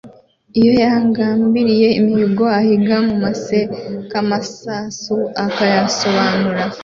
Iyo yagambiliye umuhigo, ahiga mu musekeamasasu akayasobanura